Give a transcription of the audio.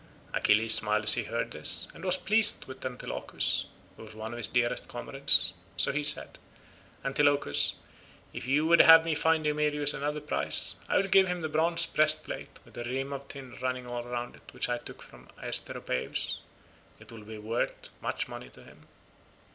Achilles smiled as he heard this, and was pleased with Antilochus, who was one of his dearest comrades. So he said— "Antilochus, if you would have me find Eumelus another prize, I will give him the bronze breastplate with a rim of tin running all round it which I took from Asteropaeus. It will be worth much money to him."